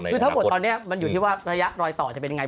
คือทั้งหมดตอนนี้มันอยู่ที่ว่าระยะรอยต่อจะเป็นยังไง